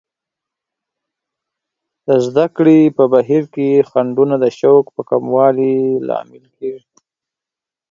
د زده کړې په بهیر کې خنډونه د شوق په کموالي لامل کیږي.